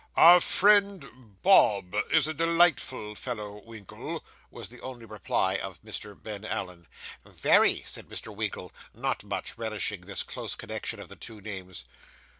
'Our friend Bob is a delightful fellow, Winkle,' was the only reply of Mr. Ben Allen. 'Very,' said Mr. Winkle, not much relishing this close connection of the two names.